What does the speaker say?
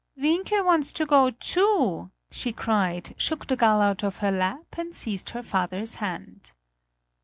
"Wienke wants to go too!" she cried, shook the gull out of her lap and seized her father's hand.